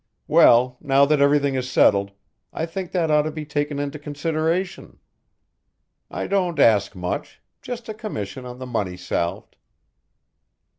Well, now that everything is settled, I think that ought to be taken into consideration. I don't ask much, just a commission on the money salved."